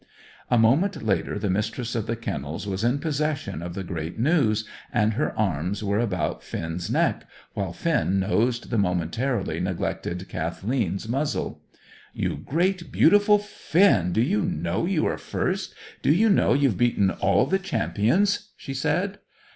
A moment later the Mistress of the Kennels was in possession of the great news, and her arms were about Finn's neck, while Finn nosed the momentarily neglected Kathleen's muzzle. "You great, beautiful Finn, do you know you are first? Do you know you've beaten all the champions?" she said.